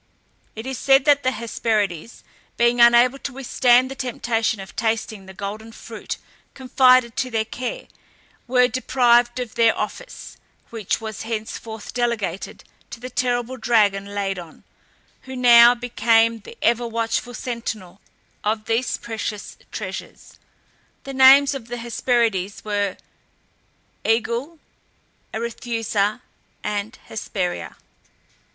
It is said that the Hesperides, being unable to withstand the temptation of tasting the golden fruit confided to their care, were deprived of their office, which was henceforth delegated to the terrible dragon Ladon, who now became the ever watchful sentinel of these precious treasures. The names of the Hesperides were Aegle, Arethusa, and Hesperia.